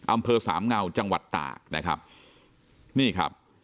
อำเภอสามเงาจังหวัดตาก